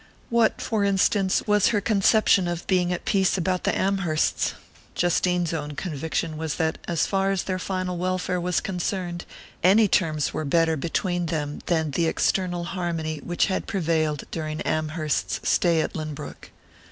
What, for instance, was her conception of being at peace about the Amhersts? Justine's own conviction was that, as far as their final welfare was concerned, any terms were better between them than the external harmony which had prevailed during Amherst's stay at Lynbrook.